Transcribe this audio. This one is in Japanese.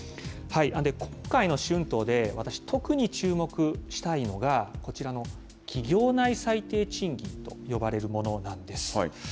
今回の春闘で、私、特に注目したいのが、こちらの企業内最低賃金と呼ばれるものなんです。